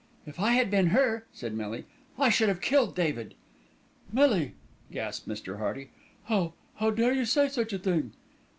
"If I had been her," said Millie, "I should have killed David." "Millie!" gasped Mr. Hearty. "How how dare you say such a thing."